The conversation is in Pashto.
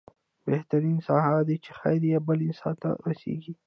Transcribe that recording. بهترين انسان هغه دی چې، خير يې بل انسان ته رسيږي.